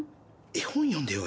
絵本読んでよ。